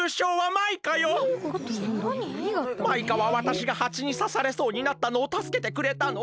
マイカはわたしがハチにさされそうになったのをたすけてくれたの。